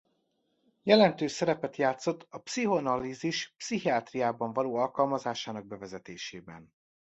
Jelentős szerepet játszott a pszichoanalízis pszichiátriában való alkalmazásának bevezetésében.